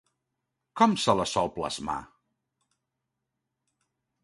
Com se la sol plasmar?